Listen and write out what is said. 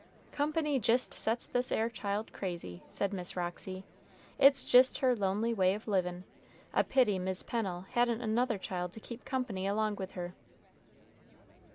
"Company jist sets this 'ere child crazy," said Miss Roxy; "it's jist her lonely way of livin'; a pity Mis' Pennel hadn't another child to keep company along with her."